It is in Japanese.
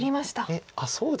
えっあっそうですか。